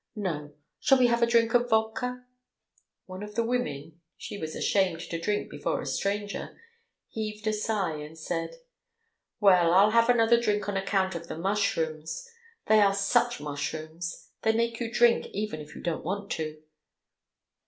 No! ... Shall we have a drink of vodka?" One of the women (she was ashamed to drink before a stranger) heaved a sigh and said: "Well, I'll have another drink on account of the mushrooms. ... They are such mushrooms, they make you drink even if you don't want to.